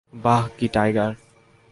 বাহ, কি টাইগার।